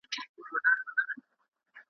یوازینۍ لار ګڼله